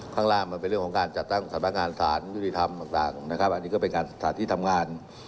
ข้างล่างมันเป็นเรื่องของการจัดตั้งสำนักงานสารยุติธรรมต่างนะครับอันนี้ก็เป็นการสถานที่ทำงาน